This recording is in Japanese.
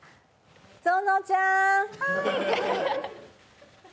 ぞのちゃん。